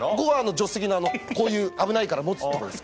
助手席のこういう危ないから持つとこです